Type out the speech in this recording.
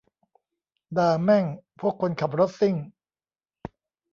ด่าแม่งพวกคนขับรถซิ่ง